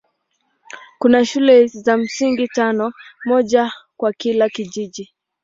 Kuna shule za msingi tano, moja kwa kila kijiji.